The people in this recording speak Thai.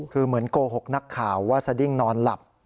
คือเหมือนโกหกนักข่าวว่าสดิ้งนอนหลับ